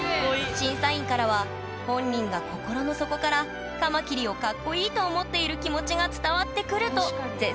審査員からは「本人が心の底からカマキリをかっこいいと思っている気持ちが伝わってくる」と絶賛されました